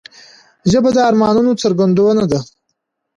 ژبه د ارمانونو څرګندونه ده